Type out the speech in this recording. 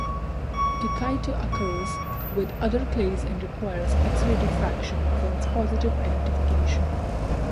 Dickite occurs with other clays and requires x-ray diffraction for its positive identification.